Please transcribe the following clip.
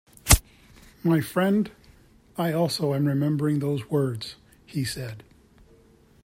"My friend, I also am remembering those words," he said.